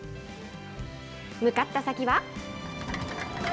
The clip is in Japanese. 向かった先は。